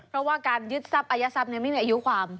เพราะว่าการยึดทรัพยทรัพย์ไม่มีอายุความ